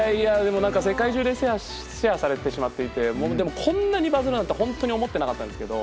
世界中でシェアされてしまっていてでも、こんなにバズるなんて本当に思ってなかったんですけど。